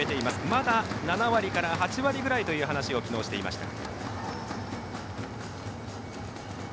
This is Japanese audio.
まだ７割から８割ぐらいという話をきのうしていました。